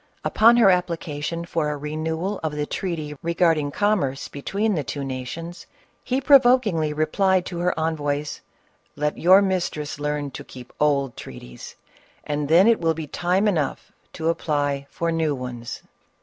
Upon her application for a renewal of the treaty regarding commerce between the two nations, he pro vokingly replied to her envoys, "Let your mistress learn to keep old treaties, and then it will be time enough to apply for new ones